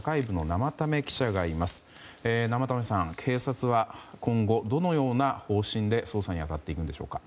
生田目さん、警察は今後どのような方針で捜査に当たっていくんでしょうか。